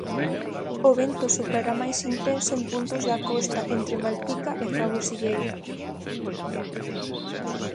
O vento soprará máis intenso en puntos da costa entre Malpica e cabo Silleiro.